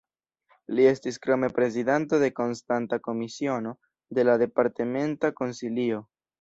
Li estis krome prezidanto de konstanta komisiono de la Departementa Konsilio.